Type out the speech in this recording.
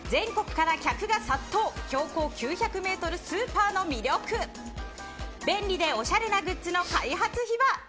全国から客が殺到標高９００メートルスーパーの魅力便利でおしゃれなグッズの開発秘話。